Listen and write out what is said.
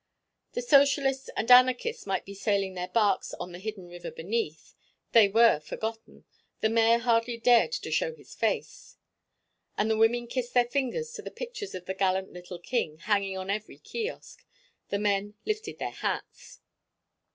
The socialists and anarchists might be sailing their barks on the hidden river beneath, they were forgotten, the mayor hardly dared to show his face, and the women kissed their fingers to the pictures of the gallant little king hanging on every kiosk; the men lifted their hats.